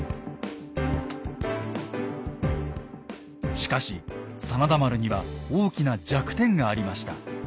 しかし真田丸には大きな弱点がありました。